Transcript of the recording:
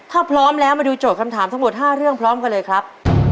ถ้าพร้อมแล้วมาดูโจทย์คำถามทั้งหมด๕เรื่องพร้อมกันเลยครับ